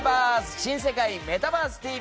「新世界メタバースＴＶ！！」